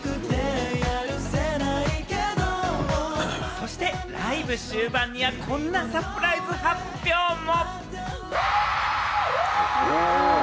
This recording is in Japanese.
そしてライブ終盤には、こんなサプライズ発表も。